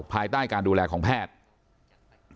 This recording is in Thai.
ภายใต้การดูแลของแพทย์